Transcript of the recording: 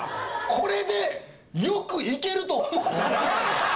これでよくいけると思ったな。